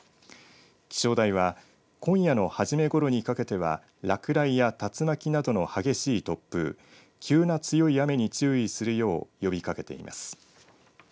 気象台は今夜の初めごろにかけては落雷や竜巻などの激しい突風急な強い雨に注意するよう呼びかけています。